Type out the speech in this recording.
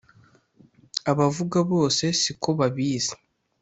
Abavuga bose sikobabizi.